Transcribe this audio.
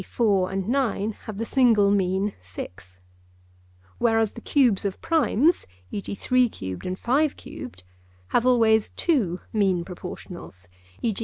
4 and 9 have the single mean 6), whereas the cubes of primes (e.g. 3 cubed and 5 cubed) have always two mean proportionals (e.g.